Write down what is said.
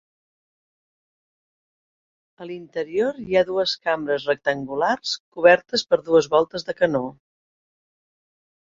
A l'interior hi ha dues cambres rectangulars cobertes per dues voltes de canó.